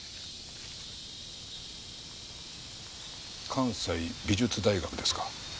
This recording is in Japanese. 「関西美術大学」ですか。